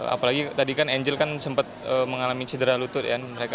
apalagi tadi kan angel kan sempat mengalami cedera lutut ya